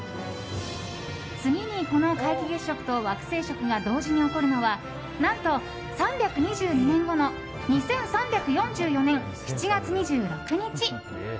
次に、この皆既月食と惑星食が同時に起こるのは何と、３２２年後の２３４４年７月２６日。